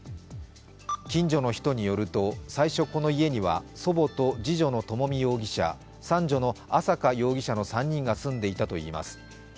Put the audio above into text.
近所の人によると最初この家には祖母と次女の朝美容疑者、三女の朝華容疑者の３人が住んでいたといいます。